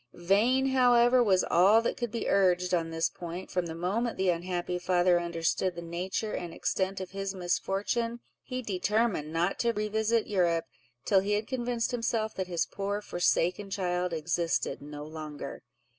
Vain, however, was all that could be urged on this point; from the moment the unhappy father understood the nature and extent of his misfortune, he determined not to revisit Europe till he had convinced himself that his poor forsaken child existed no longer.